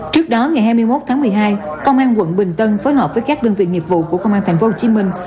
trước đó ngày hai mươi một tháng một mươi hai công an quận bình tân phối hợp với các đơn vị nghiệp vụ của công an thành phố hồ chí minh